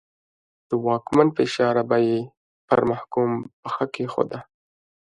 د واکمن په اشاره به یې پر محکوم پښه کېښوده.